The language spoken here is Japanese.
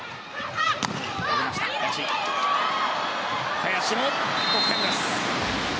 林の得点です。